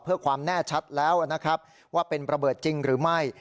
เพื่อความแน่ชัดแล้วนะครับว่าเป็นระเบิดจริงหรือไม่